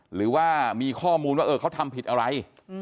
หรือว่ามีข้อมูลว่าเขาทำผิดอะไร